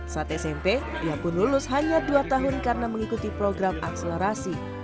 saat smp ia pun lulus hanya dua tahun karena mengikuti program akselerasi